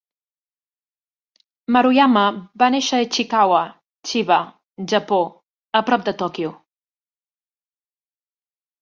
Maruyama va néixer a Ichikawa, Chiba, Japó, a prop de Tòquio.